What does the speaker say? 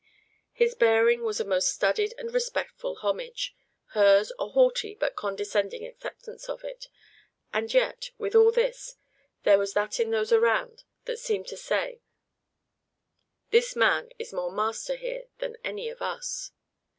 His bearing was a most studied and respectful homage, hers a haughty, but condescending, acceptance of it; and yet, with all this, there was that in those around that seemed to say, "This man is more master here than any of us."